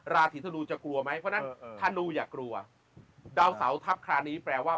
ราศีธนูจะกลัวไหมเพราะฉะนั้นธนูอย่ากลัวดาวเสาทัพคราวนี้แปลว่า